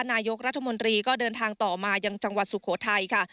นายกรัฐมนตรีก็เดินทางต่อมายังจังหวัดสุโขทัยค่ะ